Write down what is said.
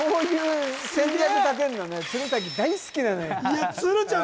いや鶴ちゃん